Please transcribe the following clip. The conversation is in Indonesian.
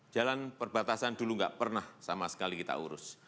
jalan perbatasan dulu nggak pernah sama sekali kita urus